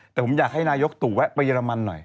แต่ผมอยากให้นายกตู่แวะไปเรมันหน่อย